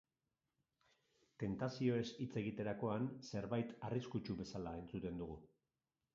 Tentazioez hitz egiterakoan zerbait arriskutsu bezala entzuten dugu.